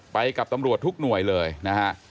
ไปกับตำรวจทุกหน่วยเลยนะฮะ